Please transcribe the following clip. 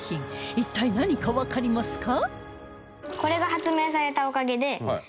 一体何かわかりますか？